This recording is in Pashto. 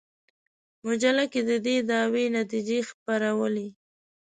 مجله کې د دې دعوې نتیجې خپرولې.